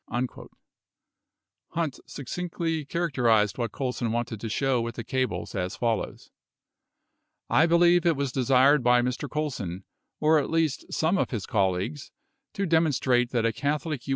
43 Hunt succinctly char acterized what Colson wanted to show with the cables as follows : I believe it was desired by Mr. Colson, or at least some of his colleagues, to demonstrate that a Catholic U.